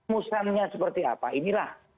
musanya seperti apa inilah